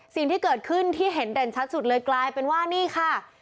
สิ่งที่เกิดขึ้นที่เห็นเด่นชัดสุดเลยกลายเป็นว่านี่ค่ะ